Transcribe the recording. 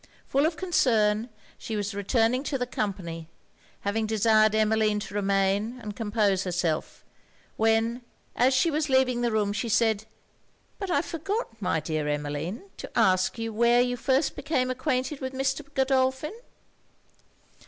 Full of concern, she was returning to the company, having desired Emmeline to remain and compose herself; when, as she was leaving the room, she said 'But I forgot, my dear Emmeline, to ask you where you first became acquainted with Mr. Godolphin?'